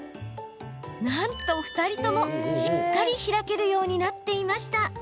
なんと２人とも、しっかり開けるようになっていました。